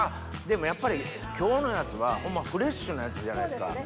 でもやっぱり今日のやつはホンマフレッシュなやつじゃないですか。